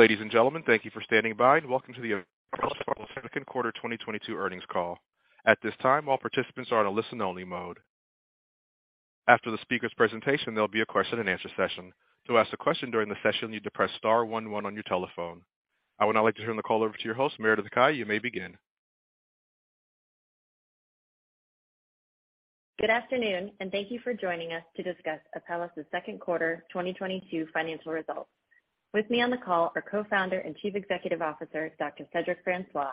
Ladies and gentlemen, thank you for standing by and welcome to the Apellis second quarter 2022 earnings call. At this time, all participants are on a listen-only mode. After the speaker's presentation, there'll be a question and answer session. To ask a question during the session, you need to press star one one on your telephone. I would now like to turn the call over to your host, Meredith Kaya. You may begin. Good afternoon, and thank you for joining us to discuss Apellis's second quarter 2022 financial results. With me on the call are Co-Founder and Chief Executive Officer, Dr. Cedric Francois,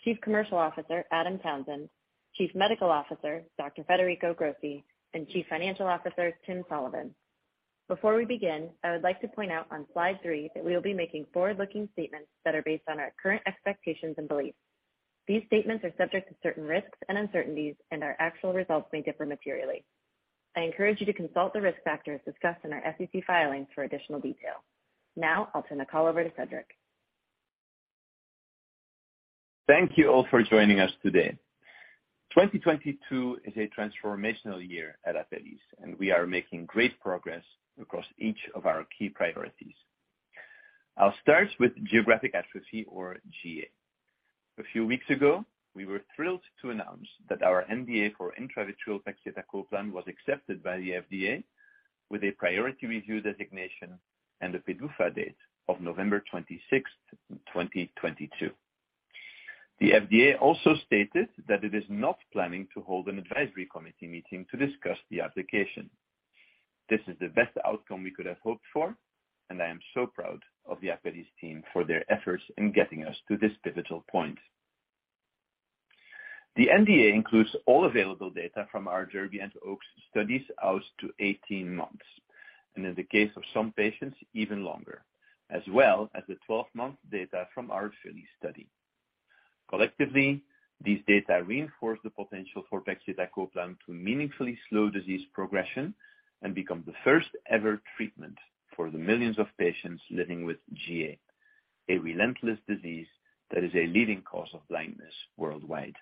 Chief Commercial Officer, Adam Townsend, Chief Medical Officer, Dr. Federico Grossi, and Chief Financial Officer, Tim Sullivan. Before we begin, I would like to point out on slide three that we will be making forward-looking statements that are based on our current expectations and beliefs. These statements are subject to certain risks and uncertainties, and our actual results may differ materially. I encourage you to consult the risk factors discussed in our SEC filings for additional detail. Now, I'll turn the call over to Cedric. Thank you all for joining us today. 2022 is a transformational year at Apellis, and we are making great progress across each of our key priorities. I'll start with geographic atrophy or GA. A few weeks ago, we were thrilled to announce that our NDA for intravitreal pegcetacoplan was accepted by the FDA with a priority review designation and a PDUFA date of November 26, 2022. The FDA also stated that it is not planning to hold an advisory committee meeting to discuss the application. This is the best outcome we could have hoped for, and I am so proud of the Apellis team for their efforts in getting us to this pivotal point. The NDA includes all available data from our DERBY and OAKS studies out to 18 months, and in the case of some patients, even longer, as well as the 12-month data from our FILLY study. Collectively, these data reinforce the potential for pegcetacoplan to meaningfully slow disease progression and become the first ever treatment for the millions of patients living with GA, a relentless disease that is a leading cause of blindness worldwide.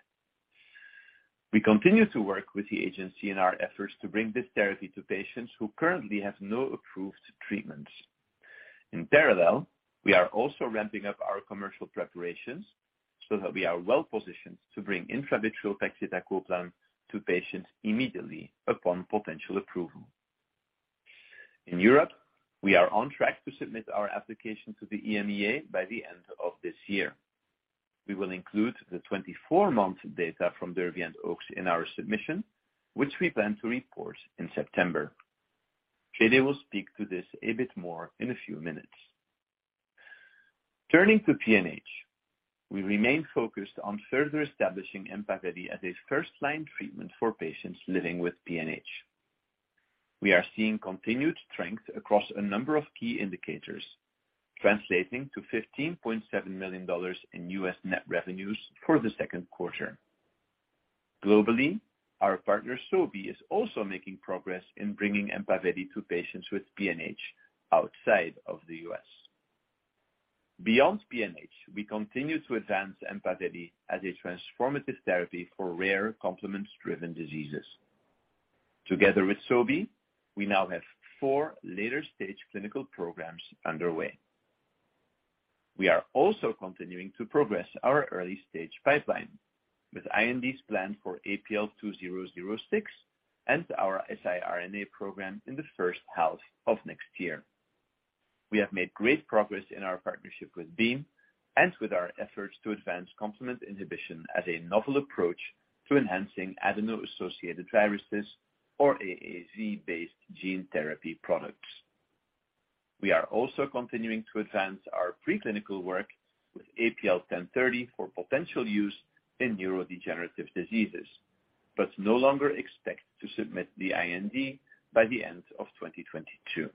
We continue to work with the agency in our efforts to bring this therapy to patients who currently have no approved treatments. In parallel, we are also ramping up our commercial preparations so that we are well-positioned to bring intravitreal pegcetacoplan to patients immediately upon potential approval. In Europe, we are on track to submit our application to the EMEA by the end of this year. We will include the 24-month data from DERBY and OAKS in our submission, which we plan to report in September. JD will speak to this a bit more in a few minutes. Turning to PNH, we remain focused on further establishing EMPAVELI as a first-line treatment for patients living with PNH. We are seeing continued strength across a number of key indicators, translating to $15.7 million in U.S. net revenues for the second quarter. Globally, our partner, Sobi, is also making progress in bringing EMPAVELI to patients with PNH outside of the U.S. Beyond PNH, we continue to advance EMPAVELI as a transformative therapy for rare complement-driven diseases. Together with Sobi, we now have four later stage clinical programs underway. We are also continuing to progress our early stage pipeline with INDs planned for APL-2006 and our siRNA program in the first half of next year. We have made great progress in our partnership with Beam and with our efforts to advance complement inhibition as a novel approach to enhancing adeno-associated viruses or AAV-based gene therapy products. We are also continuing to advance our preclinical work with APL-1030 for potential use in neurodegenerative diseases, but no longer expect to submit the IND by the end of 2022.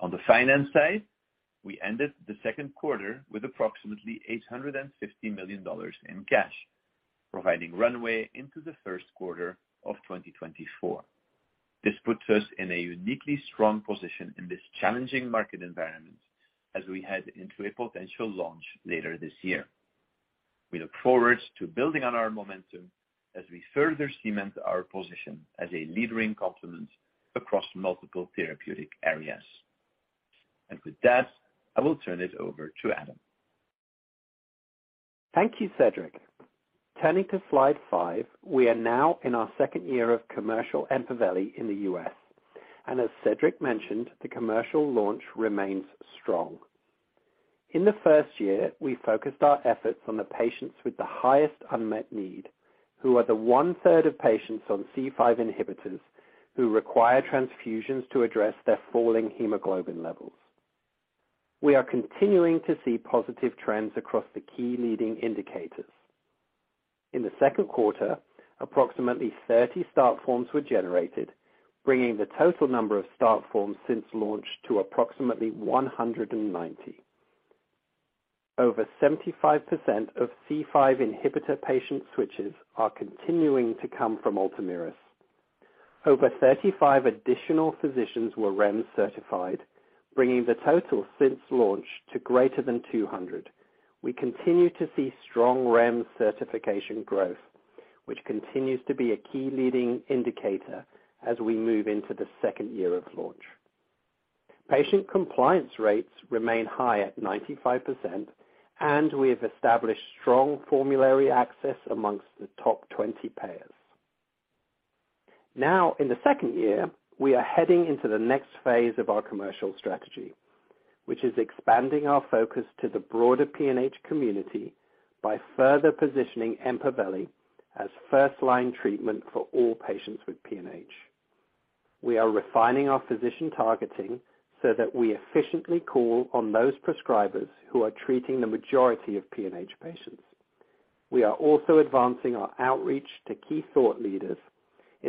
On the finance side, we ended the second quarter with approximately $850 million in cash, providing runway into the first quarter of 2024. This puts us in a uniquely strong position in this challenging market environment as we head into a potential launch later this year. We look forward to building on our momentum as we further cement our position as a leader in complements across multiple therapeutic areas. With that, I will turn it over to Adam. Thank you, Cedric. Turning to slide five. We are now in our second year of commercial EMPAVELI in the U.S. As Cedric mentioned, the commercial launch remains strong. In the first year, we focused our efforts on the patients with the highest unmet need, who are the one-third of patients on C5 inhibitors who require transfusions to address their falling hemoglobin levels. We are continuing to see positive trends across the key leading indicators. In the second quarter, approximately 30 start forms were generated, bringing the total number of start forms since launch to approximately 190. Over 75% of C5 inhibitor patient switches are continuing to come from Ultomiris. Over 35 additional physicians were REMS certified, bringing the total since launch to greater than 200. We continue to see strong REMS certification growth. Which continues to be a key leading indicator as we move into the second year of launch. Patient compliance rates remain high at 95%, and we have established strong formulary access among the top 20 payers. Now in the second year, we are heading into the next phase of our commercial strategy, which is expanding our focus to the broader PNH community by further positioning EMPAVELI as first-line treatment for all patients with PNH. We are refining our physician targeting so that we efficiently call on those prescribers who are treating the majority of PNH patients. We are also advancing our outreach to key thought leaders,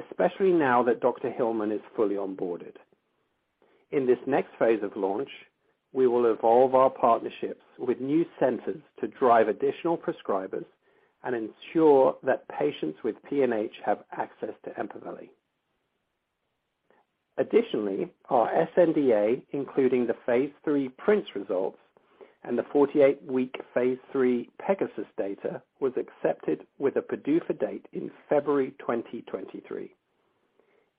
especially now that Dr. Hillmen is fully onboarded. In this next phase of launch, we will evolve our partnerships with new centers to drive additional prescribers and ensure that patients with PNH have access to EMPAVELI. Additionally, our sNDA, including the phase III PRINCE results and the 48-week phase III PEGASUS data, was accepted with a PDUFA date in February 2023.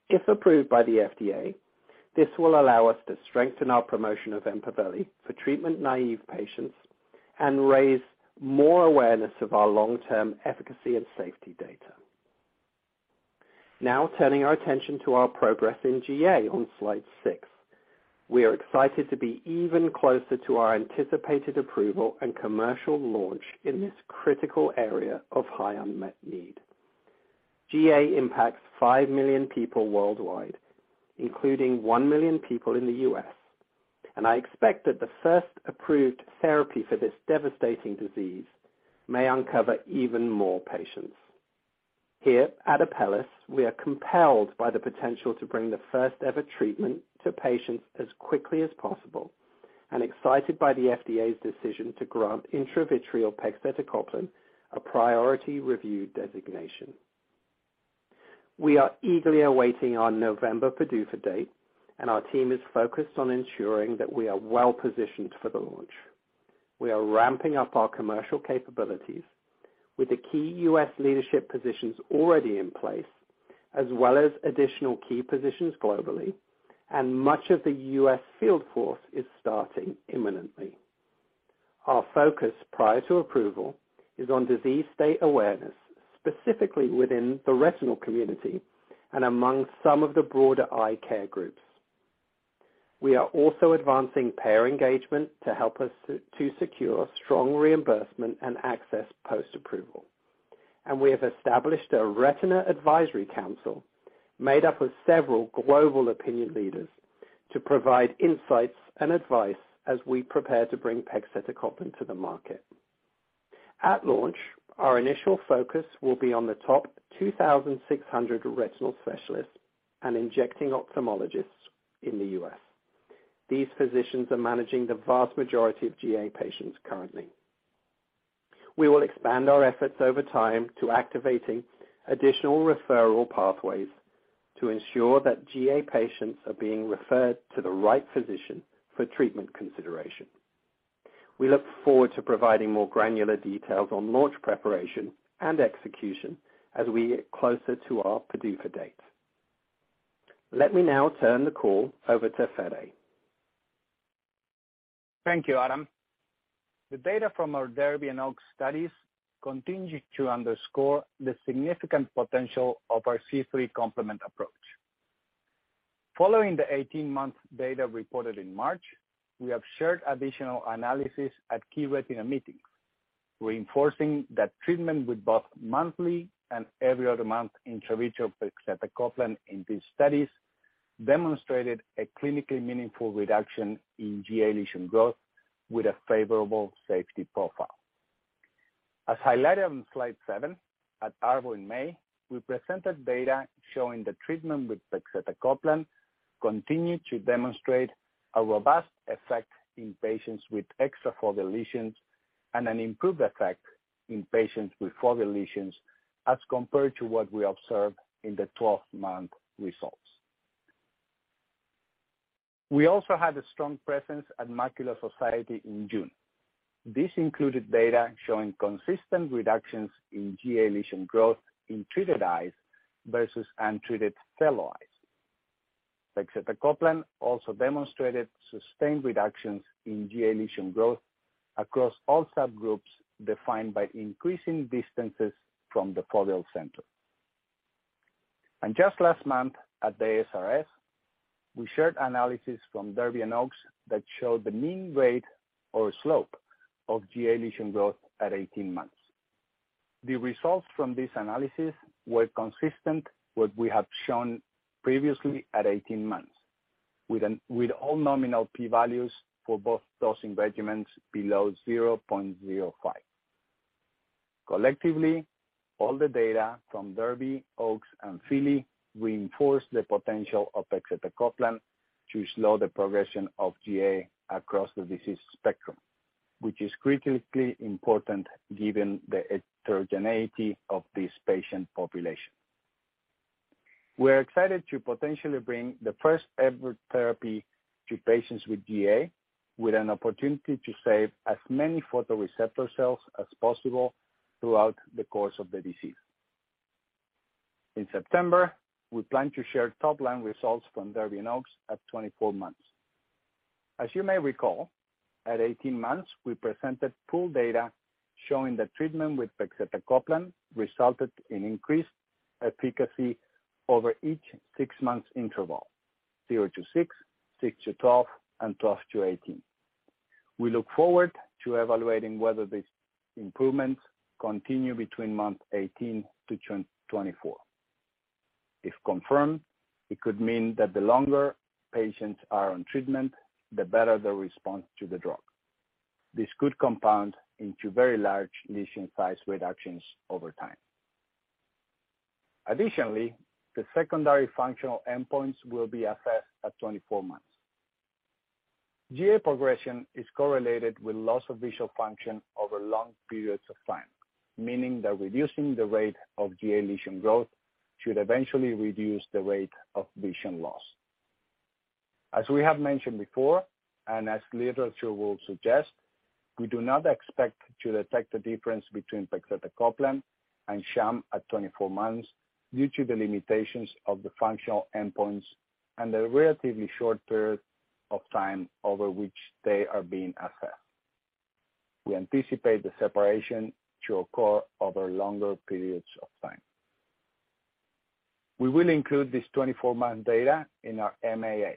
If approved by the FDA, this will allow us to strengthen our promotion of EMPAVELI for treatment-naive patients and raise more awareness of our long-term efficacy and safety data. Now turning our attention to our progress in GA on slide six. We are excited to be even closer to our anticipated approval and commercial launch in this critical area of high unmet need. GA impacts 5 million people worldwide, including 1 million people in the U.S. I expect that the first approved therapy for this devastating disease may uncover even more patients. Here at Apellis, we are compelled by the potential to bring the first ever treatment to patients as quickly as possible, and excited by the FDA's decision to grant intravitreal pegcetacoplan a priority review designation. We are eagerly awaiting our November PDUFA date, and our team is focused on ensuring that we are well-positioned for the launch. We are ramping up our commercial capabilities with the key U.S. leadership positions already in place, as well as additional key positions globally, and much of the U.S. field force is starting imminently. Our focus prior to approval is on disease state awareness, specifically within the retinal community and among some of the broader eye care groups. We are also advancing payer engagement to help us secure strong reimbursement and access post-approval. We have established a Retina Advisory Council made up of several global opinion leaders to provide insights and advice as we prepare to bring pegcetacoplan to the market. At launch, our initial focus will be on the top 2,600 retinal specialists and injecting ophthalmologists in the U.S. These physicians are managing the vast majority of GA patients currently. We will expand our efforts over time to activating additional referral pathways to ensure that GA patients are being referred to the right physician for treatment consideration. We look forward to providing more granular details on launch preparation and execution as we get closer to our PDUFA date. Let me now turn the call over to Fede. Thank you, Adam. The data from our DERBY and OAKS studies continue to underscore the significant potential of our C3 complement approach. Following the 18-month data reported in March, we have shared additional analysis at key retina meetings, reinforcing that treatment with both monthly and every other month intravitreal pegcetacoplan in these studies demonstrated a clinically meaningful reduction in GA lesion growth with a favorable safety profile. As highlighted on slide seven, at ARVO in May, we presented data showing the treatment with pegcetacoplan continued to demonstrate a robust effect in patients with extrafoveal lesions and an improved effect in patients with foveal lesions as compared to what we observed in the 12-month results. We also had a strong presence at Macula Society in June. This included data showing consistent reductions in GA lesion growth in treated eyes versus untreated fellow eyes. Pegcetacoplan also demonstrated sustained reductions in GA lesion growth across all subgroups defined by increasing distances from the foveal center. Just last month at the ASRS, we shared analysis from DERBY and OAKS that showed the mean rate or slope of GA lesion growth at 18 months. The results from this analysis were consistent what we have shown previously at 18 months with all nominal P values for both dosing regimens below 0.05. Collectively, all the data from DERBY, OAKS, and FILLY reinforce the potential of pegcetacoplan to slow the progression of GA across the disease spectrum, which is critically important given the heterogeneity of this patient population. We're excited to potentially bring the first-ever therapy to patients with GA, with an opportunity to save as many photoreceptor cells as possible throughout the course of the disease. In September, we plan to share top-line results from DERBY and OAKS at 24 months. As you may recall, at 18 months, we presented full data showing that treatment with pegcetacoplan resulted in increased efficacy over each six months interval, zero to six, six to 12, and 12 to 18. We look forward to evaluating whether these improvements continue between month 18 to 24. If confirmed, it could mean that the longer patients are on treatment, the better the response to the drug. This could compound into very large lesion size reductions over time. Additionally, the secondary functional endpoints will be assessed at 24 months. GA progression is correlated with loss of visual function over long periods of time, meaning that reducing the rate of GA lesion growth should eventually reduce the rate of vision loss. As we have mentioned before, and as literature will suggest, we do not expect to detect a difference between pegcetacoplan and sham at 24 months due to the limitations of the functional endpoints and the relatively short period of time over which they are being assessed. We anticipate the separation to occur over longer periods of time. We will include this 24-month data in our MAA.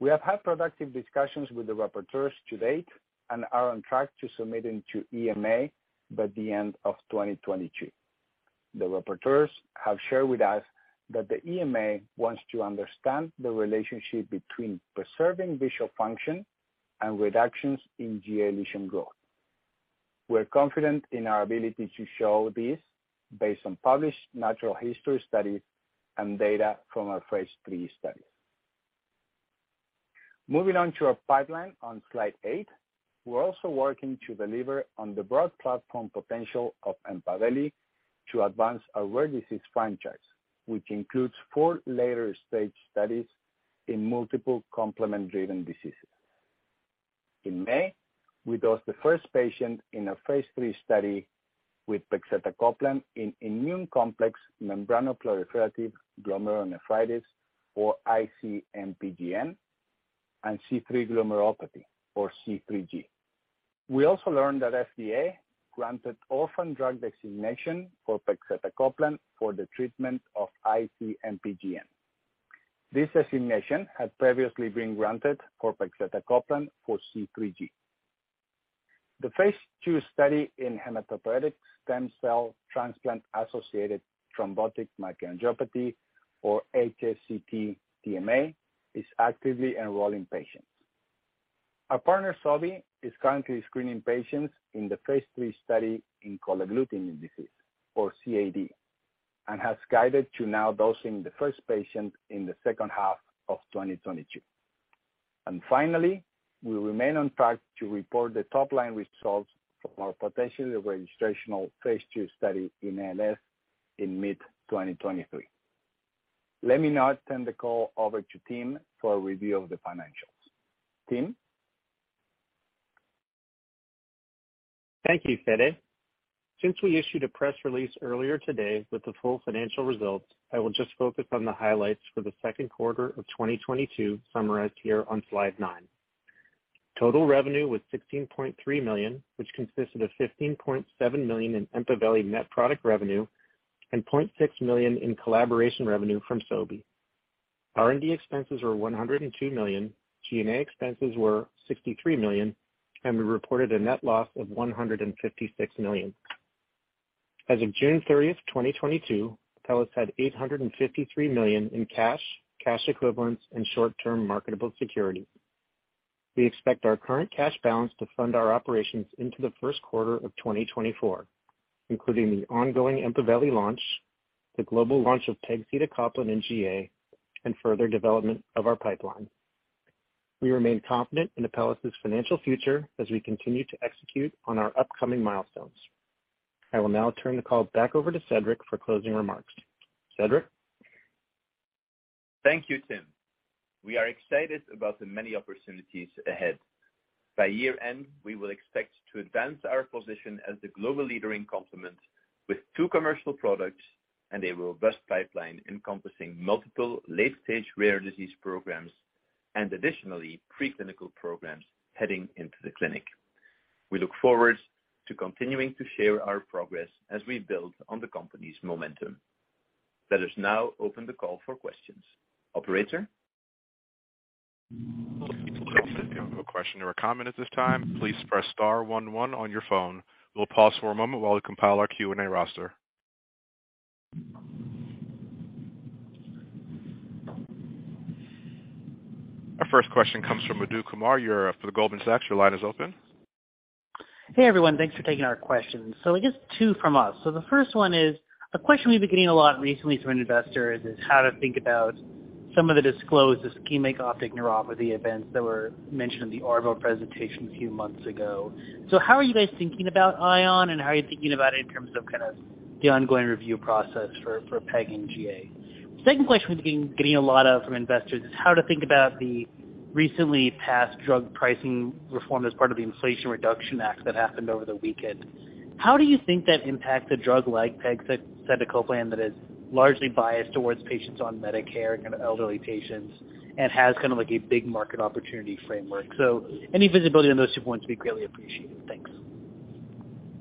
We have had productive discussions with the rapporteurs to date and are on track to submit to EMA by the end of 2022. The rapporteurs have shared with us that the EMA wants to understand the relationship between preserving visual function and reductions in GA lesion growth. We're confident in our ability to show this based on published natural history studies and data from our phase III studies. Moving on to our pipeline on slide eight. We're also working to deliver on the broad platform potential of EMPAVELI to advance our rare disease franchise, which includes four later-stage studies in multiple complement-driven diseases. In May, we dosed the first patient in a phase III study with pegcetacoplan in immune complex membranoproliferative glomerulonephritis, or IC-MPGN, and C3 glomerulopathy, or C3G. We also learned that FDA granted orphan drug designation for pegcetacoplan for the treatment of IC-MPGN. This designation had previously been granted for pegcetacoplan for C3G. The phase II study in hematopoietic stem cell transplant-associated thrombotic microangiopathy, or HSCT-TMA, is actively enrolling patients. Our partner, Sobi, is currently screening patients in the phase III study in cold agglutinin disease, or CAD, and has guided to now dosing the first patient in the second half of 2022. Finally, we remain on track to report the top-line results from our potentially registrational phase II study in ALS in mid-2023. Let me now turn the call over to Tim for a review of the financials. Tim? Thank you, Fede. Since we issued a press release earlier today with the full financial results, I will just focus on the highlights for the second quarter of 2022 summarized here on slide nine. Total revenue was $16.3 million, which consisted of $15.7 million in EMPAVELI net product revenue and $0.6 million in collaboration revenue from Sobi. R&D expenses were $102 million, G&A expenses were $63 million, and we reported a net loss of $156 million. As of June 30, 2022, Apellis had $853 million in cash equivalents and short-term marketable securities. We expect our current cash balance to fund our operations into the first quarter of 2024, including the ongoing EMPAVELI launch, the global launch of pegcetacoplan and GA and further development of our pipeline. We remain confident in Apellis' financial future as we continue to execute on our upcoming milestones. I will now turn the call back over to Cedric for closing remarks. Cedric? Thank you, Tim. We are excited about the many opportunities ahead. By year-end, we will expect to advance our position as the global leader in complement with two commercial products and a robust pipeline encompassing multiple late-stage rare disease programs and additionally pre-clinical programs heading into the clinic. We look forward to continuing to share our progress as we build on the company's momentum. Let us now open the call for questions. Operator? If you have a question or a comment at this time, please press star one one on your phone. We'll pause for a moment while we compile our Q&A roster. Our first question comes from Madhu Kumar. You're up for the Goldman Sachs. Your line is open. Hey, everyone. Thanks for taking our questions. I guess two from us. The first one is, a question we've been getting a lot recently from investors is how to think about some of the disclosed ischemic optic neuropathy events that were mentioned in the ARVO presentation a few months ago. How are you guys thinking about ION, and how are you thinking about it in terms of kind of the ongoing review process for PEG in GA? Second question we've been getting a lot of from investors is how to think about the recently passed drug pricing reform as part of the Inflation Reduction Act that happened over the weekend. How do you think that impacts a drug like pegcetacoplan that is largely biased towards patients on Medicare, kind of elderly patients, and has kind of like a big market opportunity framework? Any visibility on those two points would be greatly appreciated. Thanks.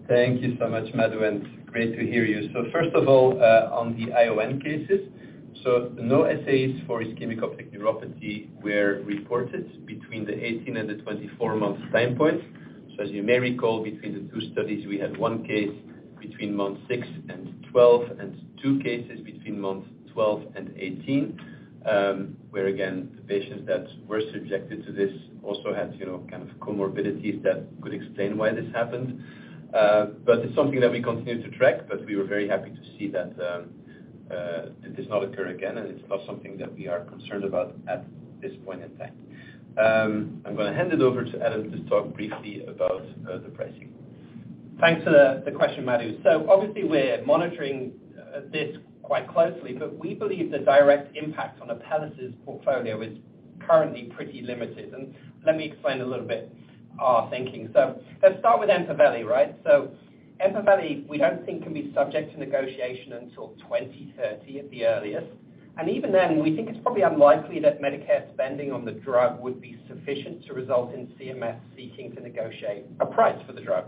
Thank you so much, Madhu, and great to hear you. First of all, on the ION cases, no cases for ischemic optic neuropathy were reported between the 18- and 24-month time point. As you may recall, between the two studies, we had one case between month six and 12 and two cases between month 12 and 18, where again, the patients that were subjected to this also had, you know, kind of comorbidities that could explain why this happened. But it's something that we continue to track, but we were very happy to see that it does not occur again, and it's not something that we are concerned about at this point in time. I'm gonna hand it over to Adam to talk briefly about the pricing. Thanks for the question, Madhu. Obviously, we're monitoring this quite closely, but we believe the direct impact on Apellis' portfolio is currently pretty limited. Let me explain a little bit our thinking. Let's start with EMPAVELI, right? EMPAVELI, we don't think can be subject to negotiation until 2030 at the earliest. Even then, we think it's probably unlikely that Medicare spending on the drug would be sufficient to result in CMS seeking to negotiate a price for the drug.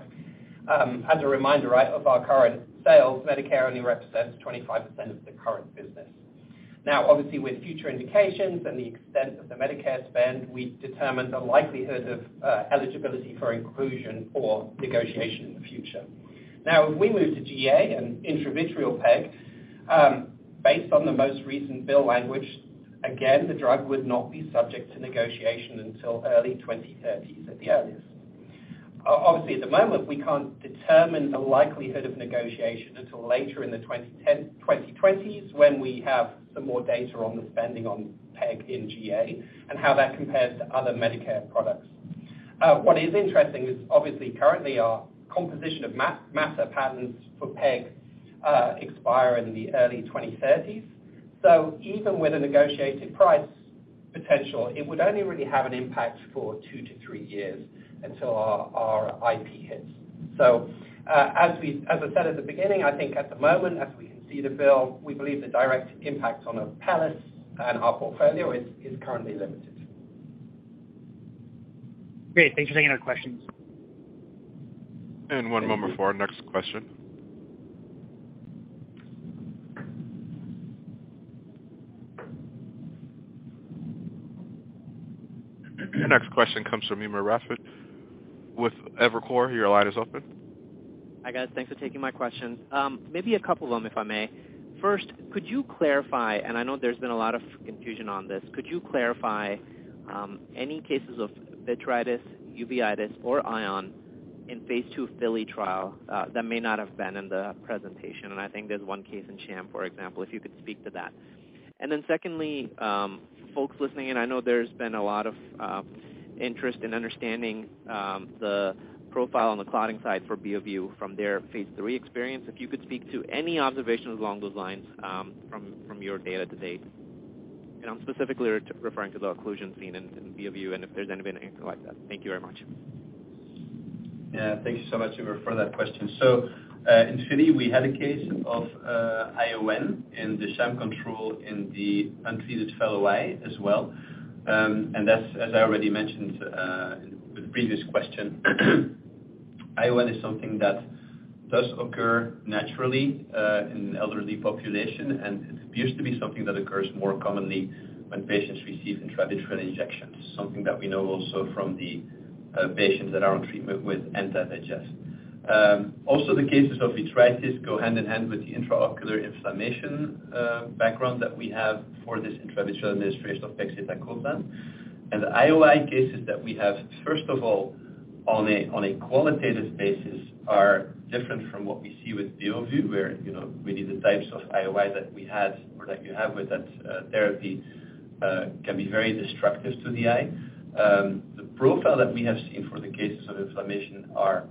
As a reminder, right, of our current sales, Medicare only represents 25% of the current business. Obviously, with future indications and the extent of the Medicare spend, we determine the likelihood of eligibility for inclusion or negotiation in the future. Now, if we move to GA and intravitreal PEG, based on the most recent bill language, again, the drug would not be subject to negotiation until early 2030s at the earliest. Obviously, at the moment, we can't determine the likelihood of negotiation until later in the 2020s, when we have some more data on the spending on PEG in GA and how that compares to other Medicare products. What is interesting is obviously currently our composition of matter patents for PEG expire in the early 2030s. Even with a negotiated price potential, it would only really have an impact for two to three years until our IP hits. As I said at the beginning, I think at the moment, as we can see the bill, we believe the direct impact on Apellis and our portfolio is currently limited. Great. Thanks for taking our questions. One moment before our next question. Your next question comes from Umer Raffat with Evercore. Your line is open. Hi, guys. Thanks for taking my questions. Maybe a couple of them, if I may. First, I know there's been a lot of confusion on this, could you clarify any cases of vitritis, uveitis or ION in phase II FILLY trial that may not have been in the presentation? I think there's one case in sham, for example, if you could speak to that. Secondly, folks listening in, I know there's been a lot of interest in understanding the profile on the clotting side for Beovu from their phase III experience. If you could speak to any observations along those lines, from your data to date. I'm specifically referring to the occlusion seen in Beovu and if there's anything like that. Thank you very much. Yeah. Thank you so much, Umer, for that question. In FILLY, we had a case of ION in the sham control in the untreated fellow eye as well. That's, as I already mentioned, with the previous question, ION is something that does occur naturally in elderly population, and it appears to be something that occurs more commonly when patients receive intravitreal injections, something that we know also from the patients that are on treatment with anti-VEGF. Also the cases of vitritis go hand in hand with the intraocular inflammation background that we have for this intravitreal administration of pegcetacoplan. The IOI cases that we have, first of all, on a qualitative basis, are different from what we see with Beovu, where, you know, really the types of IOI that we had or that you have with that therapy can be very destructive to the eye. The profile that we have seen for the cases of inflammation are,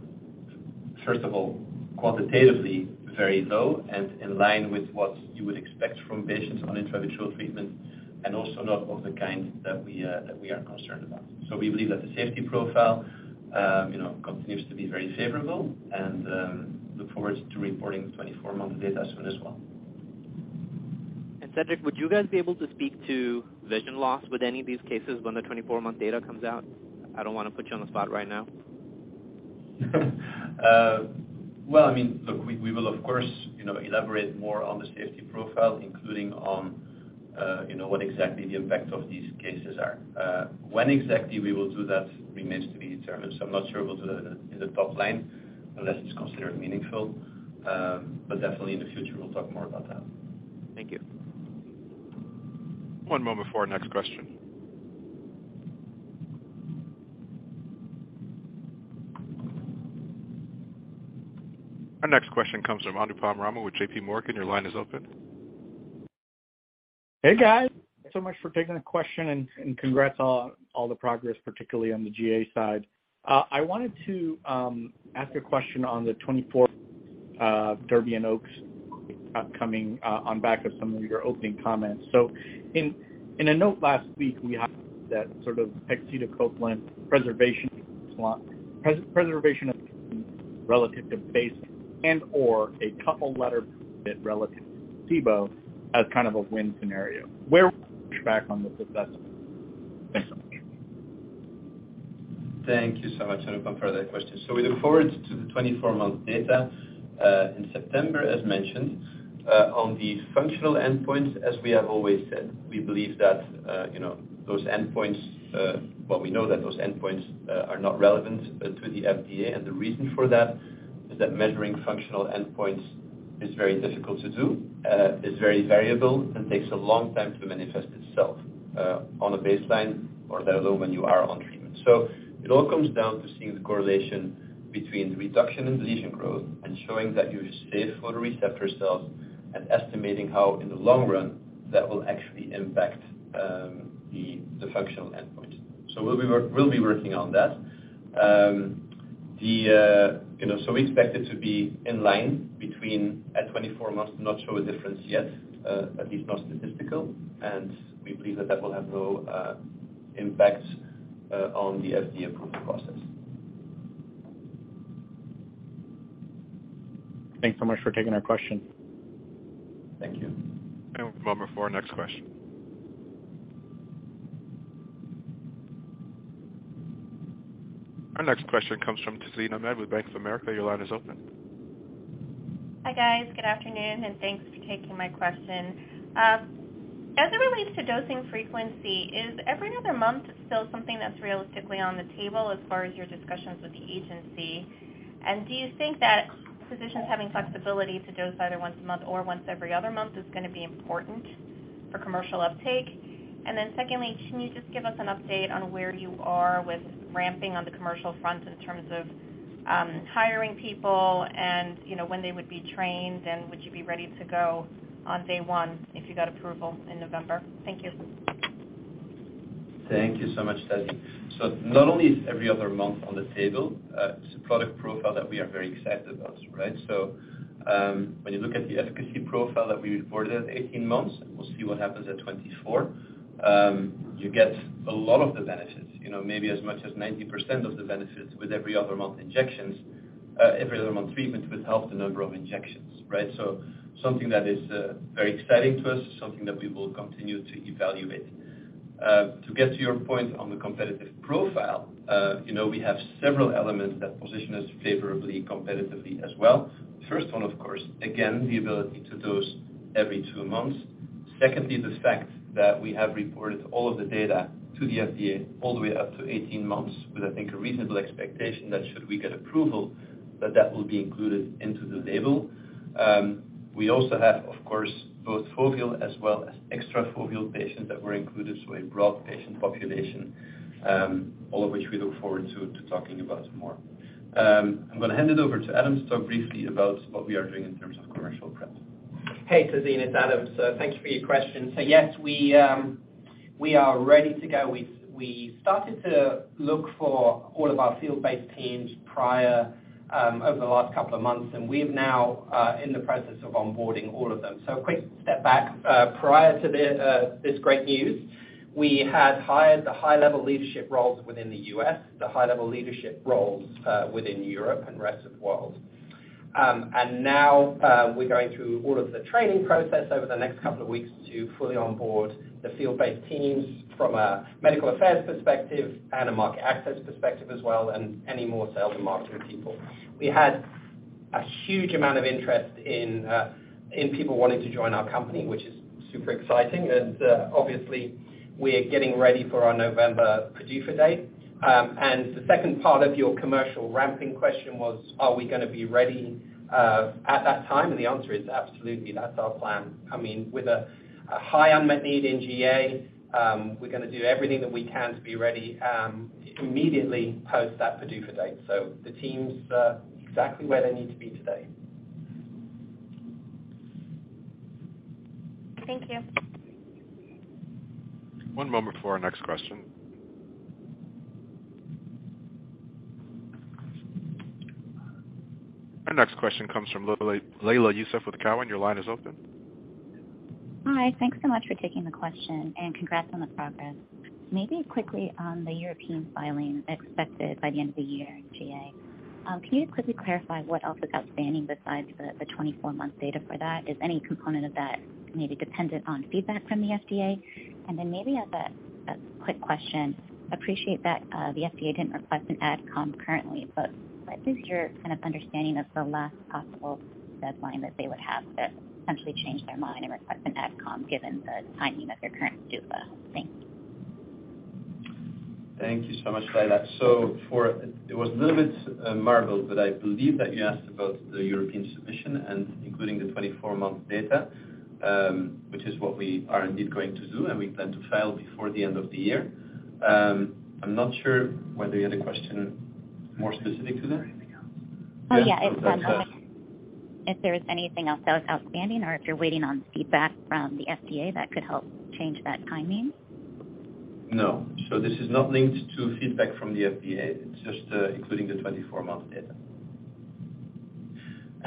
first of all, quantitatively very low and in line with what you would expect from patients on intravitreal treatment and also not of the kind that we are concerned about. We believe that the safety profile, you know, continues to be very favorable and look forward to reporting 24-month data soon as well. Cedric, would you guys be able to speak to vision loss with any of these cases when the 24-month data comes out? I don't wanna put you on the spot right now. Well, I mean, look, we will of course, you know, elaborate more on the safety profile, including on, you know, what exactly the impact of these cases are. When exactly we will do that remains to be determined. I'm not sure we'll do that in the top line unless it's considered meaningful. Definitely in the future we'll talk more about that. Thank you. One moment before our next question. Our next question comes from Anupam Rama with JPMorgan. Your line is open. Hey, guys. Thanks so much for taking the question and congrats on all the progress, particularly on the GA side. I wanted to ask a question on the 24th DERBY and OAKS upcoming, on back of some of your opening comments. In a note last week, we had that sort of pegcetacoplan preservation data. Preservation relative to baseline and/or a couple letters better relative to placebo as kind of a win scenario. Where do you stand on this assessment? Thanks so much. Thank you so much, Anupam, for that question. We look forward to the 24-month data in September, as mentioned. On the functional endpoints, as we have always said, we believe that, you know, those endpoints are not relevant to the FDA. The reason for that is that measuring functional endpoints is very difficult to do, is very variable and takes a long time to manifest itself on a baseline or level when you are on treatment. It all comes down to seeing the correlation between the reduction in lesion growth and showing that you save photoreceptor cells and estimating how in the long run that will actually impact the functional endpoint. We'll be working on that. You know, we expect it to be in line between at 24 months, not show a difference yet, at least not statistical. We believe that will have no impact on the FDA approval process. Thanks so much for taking our question. Thank you. One moment before our next question. Our next question comes from Tazeen Ahmad with Bank of America. Your line is open. Hi, guys. Good afternoon, and thanks for taking my question. As it relates to dosing frequency, is every other month still something that's realistically on the table as far as your discussions with the agency? And do you think that physicians having flexibility to dose either once a month or once every other month is gonna be important for commercial uptake? Secondly, can you just give us an update on where you are with ramping on the commercial front in terms of hiring people and, you know, when they would be trained, and would you be ready to go on day one if you got approval in November? Thank you. Thank you so much, Tazeen. Not only is every other month on the table, it's a product profile that we are very excited about, right? When you look at the efficacy profile that we reported at 18 months, we'll see what happens at 24. You get a lot of the benefits, you know, maybe as much as 90% of the benefits with every other month injections, every other month treatment with half the number of injections, right? Something that is very exciting to us, something that we will continue to evaluate. To get to your point on the competitive profile, you know, we have several elements that position us favorably, competitively as well. First one, of course, again, the ability to dose every two months. Secondly, the fact that we have reported all of the data to the FDA all the way up to 18 months with, I think, a reasonable expectation that should we get approval, that that will be included into the label. We also have, of course, both foveal as well as extra foveal patients that were included, so a broad patient population, all of which we look forward to talking about more. I'm gonna hand it over to Adam to talk briefly about what we are doing in terms of commercial prep. Hey, Tazeen. It's Adam. Thank you for your question. Yes, we are ready to go. We've started to look for all of our field-based teams prior over the last couple of months, and we're now in the process of onboarding all of them. A quick step back. Prior to this great news, we had hired the high-level leadership roles within the U.S., within Europe and rest of the world. Now we're going through all of the training process over the next couple of weeks to fully onboard the field-based teams from a medical affairs perspective and a market access perspective as well, and any more sales and marketing people. We had a huge amount of interest in people wanting to join our company, which is super exciting. Obviously we're getting ready for our November PDUFA date. The second part of your commercial ramping question was, are we gonna be ready at that time? The answer is absolutely. That's our plan. I mean, with a high unmet need in GA, we're gonna do everything that we can to be ready immediately post that PDUFA date. The team's exactly where they need to be today. Thank you. One moment for our next question. Our next question comes from Lyla Youssef with Cowen. Your line is open. Hi. Thanks so much for taking the question, and congrats on the progress. Maybe quickly on the European filing expected by the end of the year in GA. Can you quickly clarify what else is outstanding besides the 24-month data for that? Is any component of that maybe dependent on feedback from the FDA? Maybe as a quick question, appreciate that the FDA didn't request an AdCom currently, but what is your kind of understanding of the last possible deadline that they would have to essentially change their mind and request an AdCom given the timing of your current PDUFA? Thank you. Thank you so much, Lyla. It was a little bit garbled, but I believe that you asked about the European submission and including the 24-month data, which is what we are indeed going to do, and we plan to file before the end of the year. I'm not sure whether you had a question more specific to that. Is there anything else? Oh, yeah. If there is anything else that was outstanding or if you're waiting on feedback from the FDA that could help change that timing. No. This is not linked to feedback from the FDA. It's just, including the 24-month data.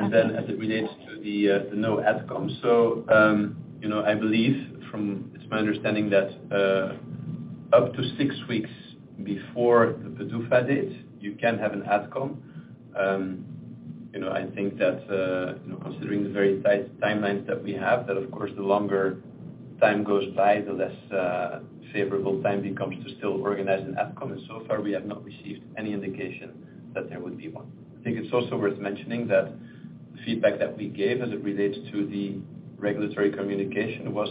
Okay. As it relates to the no AdCom. You know, I believe it's my understanding that up to six weeks before the PDUFA date, you can have an AdCom. You know, I think that, you know, considering the very tight timelines that we have, that of course, the longer time goes by, the less favorable time becomes to still organize an AdCom. We have not received any indication that there would be one. I think it's also worth mentioning that the feedback that we gave as it relates to the regulatory communication was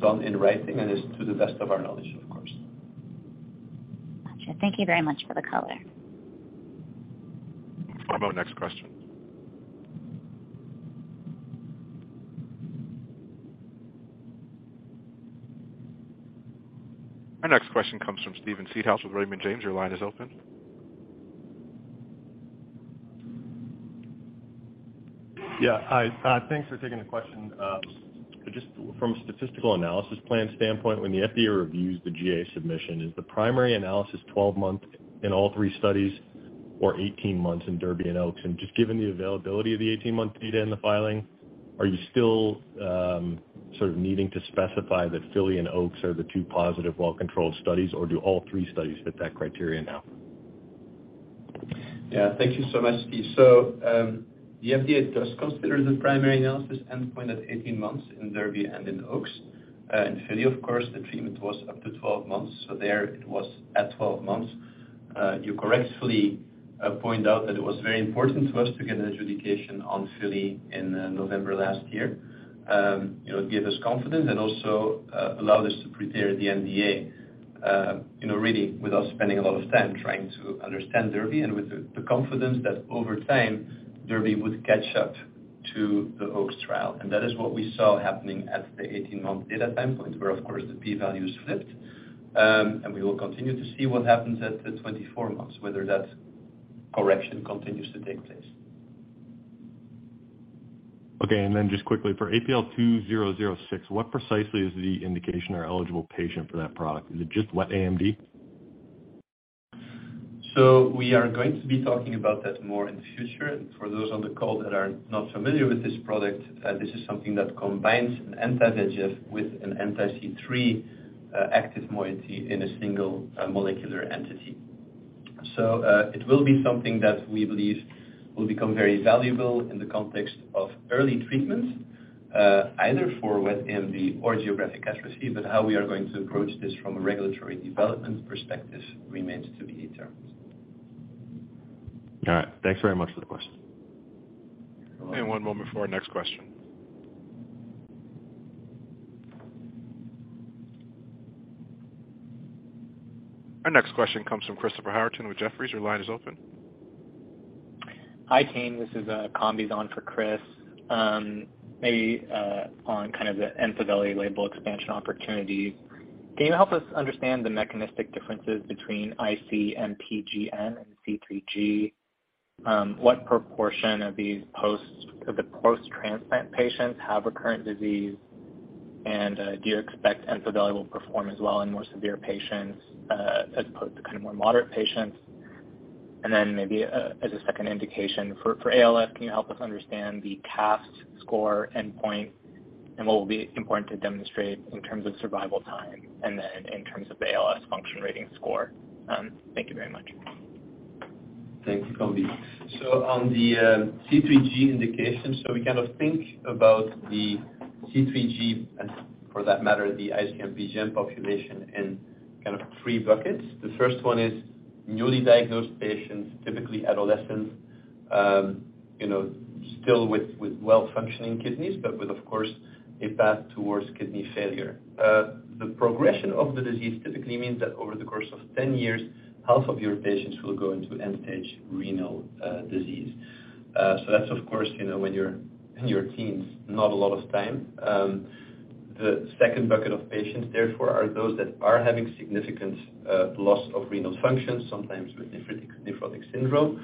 done in writing and is to the best of our knowledge, of course. Got you. Thank you very much for the color. One moment for our next question. Our next question comes from Steven Seedhouse with Raymond James. Your line is open. Yeah. Hi. Thanks for taking the question. So just from a statistical analysis plan standpoint, when the FDA reviews the GA submission, is the primary analysis 12 months in all three studies or 18 months in DERBY and OAKS? Just given the availability of the 18-month data in the filing, are you still sort of needing to specify that FILLY and OAKS are the two positive well-controlled studies, or do all three studies fit that criteria now? Yeah. Thank you so much, Steve. The FDA does consider the primary analysis endpoint at 18 months in DERBY and in OAKS. In FILLY, of course, the treatment was up to 12 months, so there it was at 12 months. You correctly point out that it was very important to us to get an adjudication on FILLY in November last year. It would give us confidence and also allow us to prepare the NDA, you know, really with us spending a lot of time trying to understand DERBY and with the confidence that over time, DERBY would catch up to the OAKS trial. That is what we saw happening at the 18-month data time point, where, of course, the p-value is flipped. We will continue to see what happens at the 24 months, whether that correction continues to take place. Okay. Just quickly, for APL-2006, what precisely is the indication or eligible patient for that product? Is it just wet AMD? We are going to be talking about that more in the future. For those on the call that are not familiar with this product, this is something that combines an anti-VEGF with an anti-C3 active moiety in a single molecular entity. It will be something that we believe will become very valuable in the context of early treatment, either for wet AMD or geographic atrophy, but how we are going to approach this from a regulatory development perspective remains to be determined. All right. Thanks very much for the question. You're welcome. One moment for our next question. Our next question comes from Chris Howerton with Jefferies. Your line is open. Hi, team. This is Kombi on for Chris. Maybe on kind of the EMPAVELI label expansion opportunity. Can you help us understand the mechanistic differences between IC-MPGN and C3G? What proportion of these post-transplant patients have recurrent disease? Do you expect EMPAVELI will perform as well in more severe patients as opposed to kind of more moderate patients? Maybe as a second indication for ALS, can you help us understand the CAFS score endpoint and what will be important to demonstrate in terms of survival time and then in terms of the ALS function rating score? Thank you very much. Thank you, Kombi. On the C3G indication, we kind of think about the C3G, and for that matter, the IC-MPGN population in kind of three buckets. The first one is newly diagnosed patients, typically adolescents, you know, still with well-functioning kidneys, but with, of course, a path towards kidney failure. The progression of the disease typically means that over the course of 10 years, half of your patients will go into end-stage renal disease. That's of course, you know, when you're in your teens, not a lot of time. The second bucket of patients, therefore, are those that are having significant loss of renal function, sometimes with nephrotic syndrome.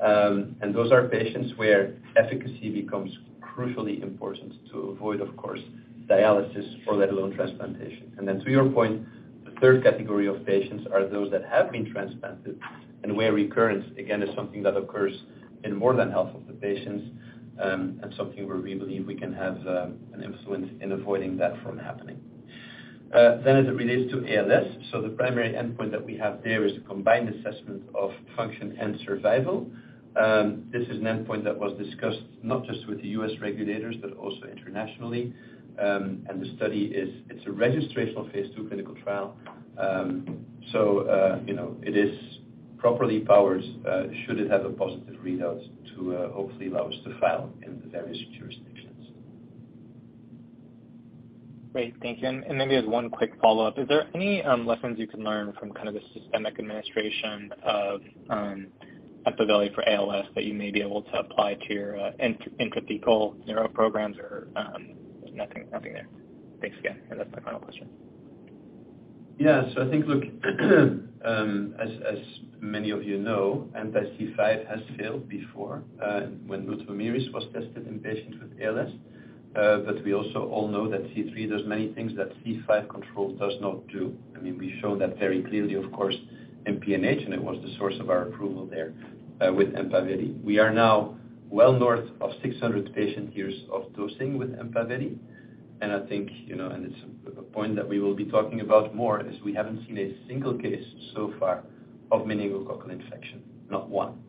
Those are patients where efficacy becomes crucially important to avoid, of course, dialysis or let alone transplantation. To your point, the third category of patients are those that have been transplanted and where recurrence, again, is something that occurs in more than half of the patients, and something where we believe we can have an influence in avoiding that from happening. As it relates to ALS, the primary endpoint that we have there is a combined assessment of function and survival. This is an endpoint that was discussed not just with the U.S. regulators, but also internationally. The study is a registrational phase II clinical trial. You know, it is properly powered, should it have a positive readout to hopefully allow us to file in the various jurisdictions. Great. Thank you. Maybe just one quick follow-up. Is there any lessons you can learn from kind of the systemic administration of? At the value for ALS that you may be able to apply to your intracranial neuro programs or nothing there. Thanks again. That's my final question. Yeah. I think, look, as many of you know, anti-C5 has failed before, when Ultomiris was tested in patients with ALS. We also all know that C3, there's many things that C5 control does not do. I mean, we show that very clearly, of course, in PNH, and it was the source of our approval there, with EMPAVELI. We are now well north of 600 patient years of dosing with EMPAVELI. I think, you know, it's a point that we will be talking about more is we haven't seen a single case so far of meningococcal infection, not one.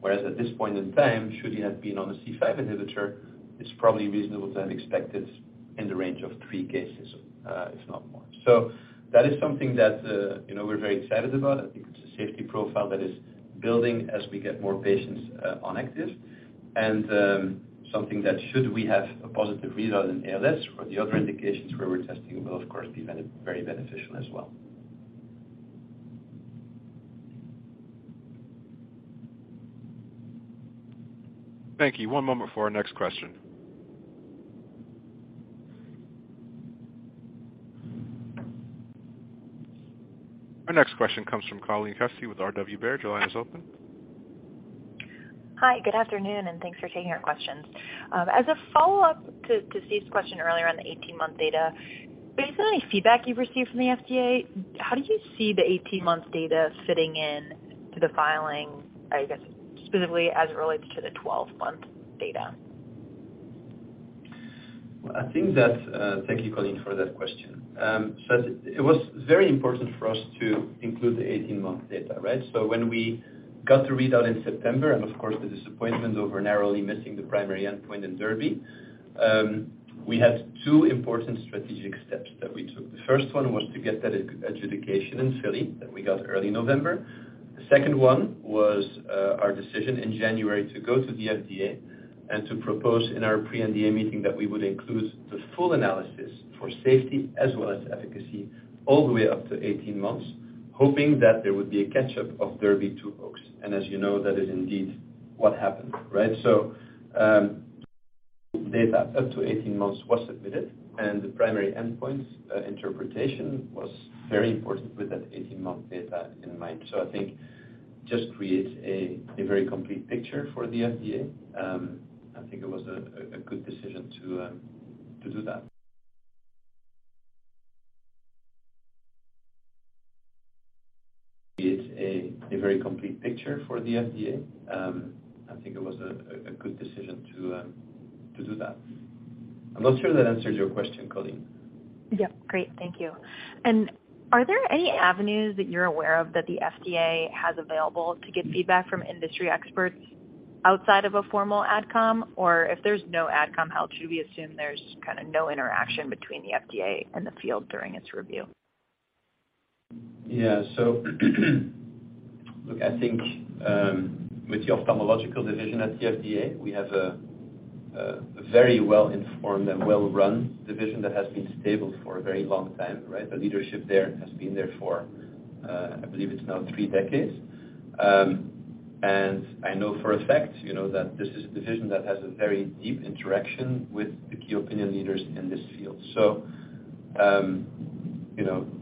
Whereas at this point in time, should you have been on a C5 inhibitor, it's probably reasonable to have expected in the range of three cases, if not more. That is something that, you know, we're very excited about. I think it's a safety profile that is building as we get more patients on active. Something that, should we have a positive readout in ALS, for the other indications where we're testing will of course be very beneficial as well. Thank you. One moment for our next question. Our next question comes from Colleen Kusy with RW Baird. Your line is open. Hi. Good afternoon, and thanks for taking our questions. As a follow-up to Steve's question earlier on the 18-month data, based on any feedback you've received from the FDA, how do you see the 18 months data fitting in to the filing, I guess, specifically as it relates to the 12-month data? I think that, thank you, Colleen, for that question. It was very important for us to include the 18-month data, right? When we got the readout in September, and of course, the disappointment over narrowly missing the primary endpoint in DERBY, we had two important strategic steps that we took. The first one was to get that adjudication in FILLY that we got early November. The second one was our decision in January to go to the FDA and to propose in our pre-NDA meeting that we would include the full analysis for safety as well as efficacy all the way up to 18 months, hoping that there would be a catch-up of DERBY 2 hooks. As you know, that is indeed what happened, right? Data up to 18 months was submitted, and the primary endpoint interpretation was very important with that 18-month data in mind. I think just creates a very complete picture for the FDA. I think it was a good decision to do that. It's a very complete picture for the FDA. I think it was a good decision to do that. I'm not sure that answers your question, Colleen. Yeah. Great. Thank you. Are there any avenues that you're aware of that the FDA has available to get feedback from industry experts outside of a formal AdCom? Or if there's no AdCom held, should we assume there's kinda no interaction between the FDA and the field during its review? Yeah. Look, I think, with the ophthalmological division at the FDA, we have a very well-informed and well-run division that has been stable for a very long time, right? The leadership there has been there for, I believe it's now three decades. I know for a fact, you know, that this is a division that has a very deep interaction with the key opinion leaders in this field. You know, the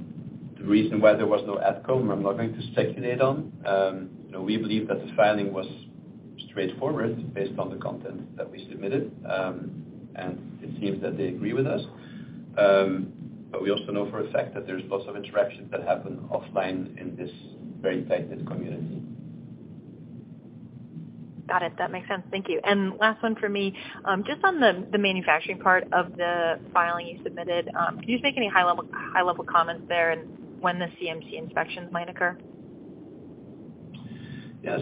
reason why there was no AdCom, I'm not going to speculate on. You know, we believe that the filing was straightforward based on the content that we submitted, and it seems that they agree with us. We also know for a fact that there's lots of interactions that happen offline in this very tight-knit community. Got it. That makes sense. Thank you. Last one for me. Just on the manufacturing part of the filing you submitted, can you make any high level comments there and when the CMC inspections might occur? Yeah.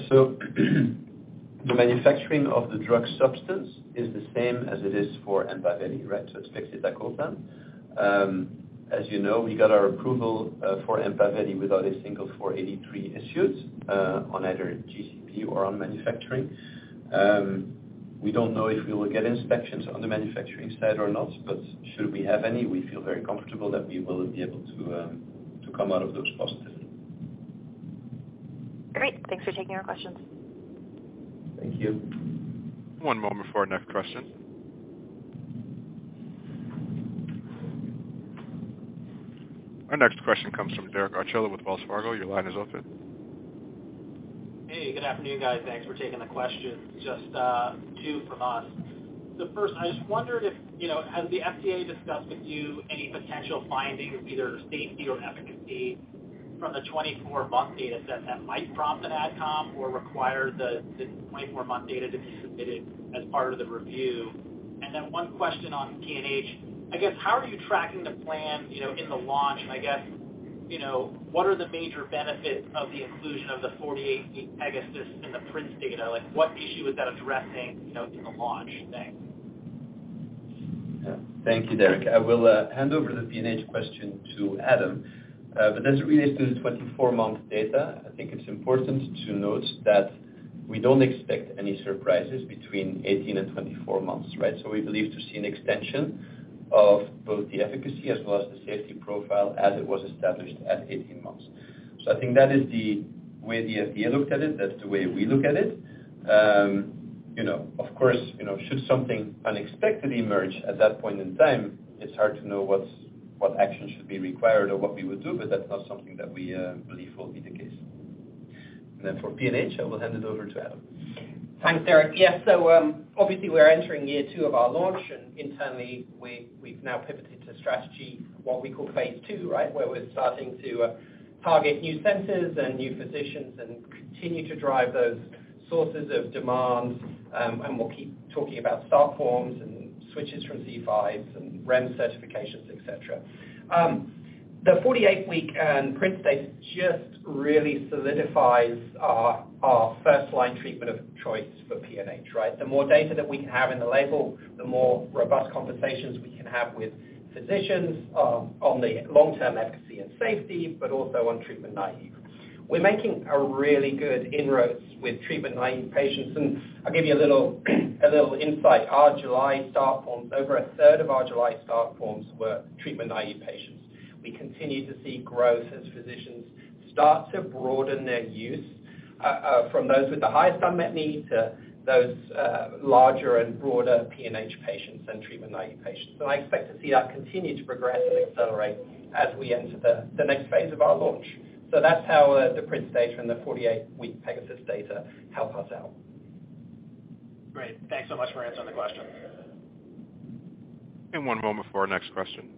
The manufacturing of the drug substance is the same as it is for EMPAVELI, right? It's fixed at that goal plan. As you know, we got our approval for EMPAVELI without a single 483 issues on either GCP or on manufacturing. We don't know if we will get inspections on the manufacturing side or not, but should we have any, we feel very comfortable that we will be able to come out of those positively. Great. Thanks for taking our questions. Thank you. One moment for our next question. Our next question comes from Derek Archila with Wells Fargo. Your line is open. Hey. Good afternoon, guys. Thanks for taking the questions. Just two from us. The first, I just wondered if, you know, has the FDA discussed with you any potential finding of either safety or efficacy from the 24-month dataset that might prompt an AdCom or require the 24-month data to be submitted as part of the review? And then one question on PNH. I guess, how are you tracking to plan, you know, in the launch? And I guess, you know, what are the major benefits of the inclusion of the 48-week PEGASUS in the PRINCE data? Like, what issue is that addressing, you know, in the launch thing? Yeah. Thank you, Derek. I will hand over the PNH question to Adam. But as it relates to the 24-month data, I think it's important to note that we don't expect any surprises between 18 and 24 months, right? We believe to see an extension of both the efficacy as well as the safety profile as it was established at 18 months. I think that is the way the FDA looked at it, that's the way we look at it. You know, of course, you know, should something unexpectedly emerge at that point in time, it's hard to know what action should be required or what we would do, but that's not something that we believe will be the case. For PNH, I will hand it over to Adam. Thanks, Derek. Yes, obviously we're entering year two of our launch, and internally we've now pivoted to strategy, what we call phase II, right? Where we're starting to target new centers and new physicians and continue to drive those sources of demand, and we'll keep talking about start forms and switches from C5s and REMS certifications, et cetera. The 48-week PRINCE data just really solidifies our first line treatment of choice for PNH, right? The more data that we can have in the label, the more robust conversations we can have with physicians on the long-term efficacy and safety, but also on treatment-naive. We're making really good inroads with treatment-naive patients, and I'll give you a little insight. Our July start forms, over a third of our July start forms, were treatment-naive patients. We continue to see growth as physicians start to broaden their use from those with the highest unmet need to those larger and broader PNH patients and treatment-naive patients. I expect to see that continue to progress and accelerate as we enter the next phase of our launch. That's how the PRINCE data and the 48-week PEGASUS data help us out. Great. Thanks so much for answering the question. One moment for our next question.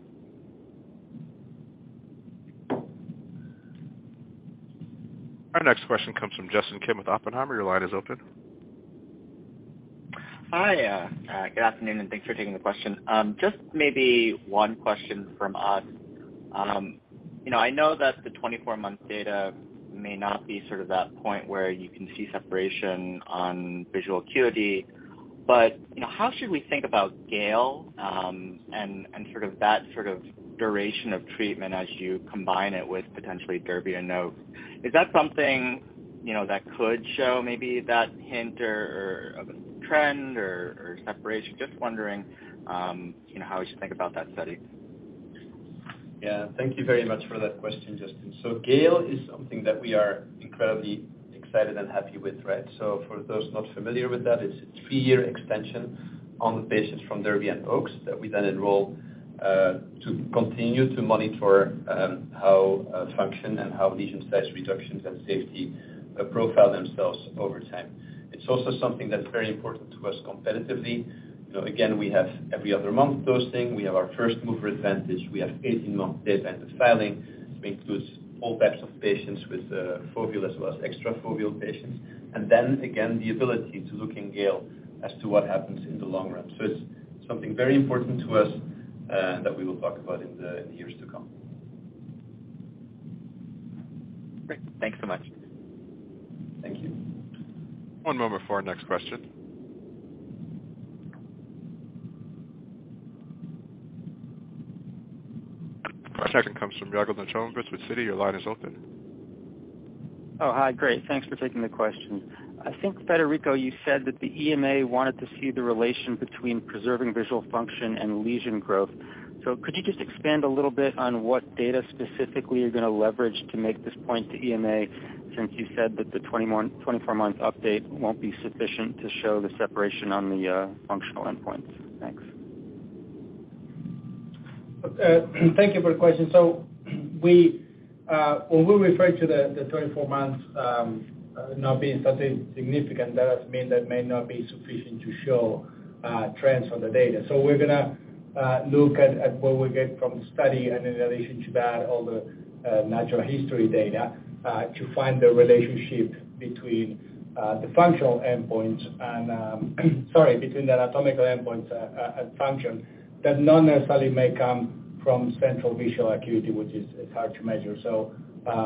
Our next question comes from Justin Kim with Oppenheimer. Your line is open. Hi, good afternoon, and thanks for taking the question. Just maybe one question from us. You know, I know that the 24-month data may not be sort of that point where you can see separation on visual acuity, but, you know, how should we think about GALE, and sort of that duration of treatment as you combine it with potentially DERBY and OAKS? Is that something, you know, that could show maybe that hint or of a trend or separation? Just wondering, you know, how we should think about that study. Yeah. Thank you very much for that question, Justin. GALE is something that we are incredibly excited and happy with, right? For those not familiar with that, it's a three-year extension on the patients from DERBY and OAKS that we then enroll to continue to monitor how function and how lesion size reductions and safety profile themselves over time. It's also something that's very important to us competitively. You know, again, we have every other month dosing. We have our first mover advantage. We have 18-month data-ended filing, which includes all types of patients with foveal as well as extra foveal patients. And then again, the ability to look in GALE as to what happens in the long run. It's something very important to us that we will talk about in the years to come. Great. Thanks so much. Thank you. One moment for our next question. Our second comes from Yigal Nochomovitz with Citi. Your line is open. Oh, hi. Great. Thanks for taking the questions. I think, Federico, you said that the EMA wanted to see the relation between preserving visual function and lesion growth. Could you just expand a little bit on what data specifically you're gonna leverage to make this point to EMA since you said that the 24-month update won't be sufficient to show the separation on the functional endpoints? Thanks. Thank you for the question. When we refer to the 24 months not being something significant, that has meant that may not be sufficient to show trends on the data. We're gonna look at what we get from the study and in addition to that, all the natural history data to find the relationship between the anatomical endpoints and function that not necessarily may come from central visual acuity, which is hard to measure.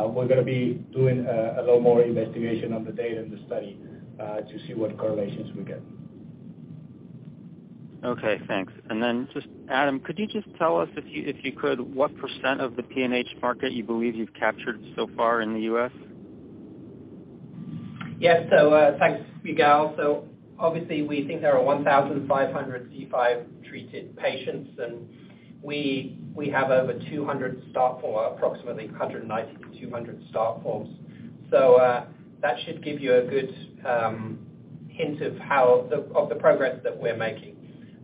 We're gonna be doing a little more investigation on the data in the study to see what correlations we get. Okay, thanks. Just Adam, could you just tell us if you, if you could, what percent of the PNH market you believe you've captured so far in the U.S.? Yes. Thanks, Yigal. Obviously we think there are 1,500 C5 treated patients, and we have over 200 start forms, approximately 190-200 start forms. That should give you a good hint of the progress that we're making